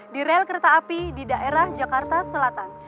direl kereta api di daerah jakarta selatan